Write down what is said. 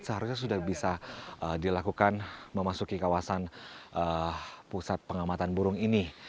seharusnya sudah bisa dilakukan memasuki kawasan pusat pengamatan burung ini